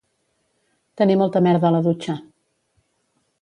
Tenir molta merda a la dutxa